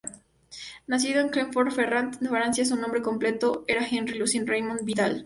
Nacido en Clermont-Ferrand, Francia, su nombre completo era Henri Lucien Raymond Vidal.